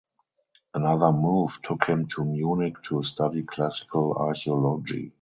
Another move took him to Munich to study classical archaeology.